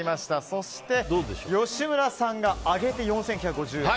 そして吉村さんが上げて４９５０円。